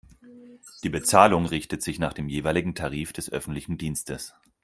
Die Bezahlung richtet sich nach dem jeweiligen Tarif des öffentlichen Dienstes.